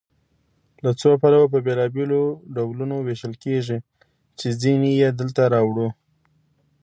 له څو پلوه په بېلابېلو ډولونو ویشل کیږي چې ځینې یې دلته راوړو.